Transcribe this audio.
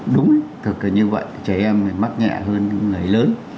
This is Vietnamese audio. đúng thật là như vậy trẻ em mắc nhẹ hơn người lớn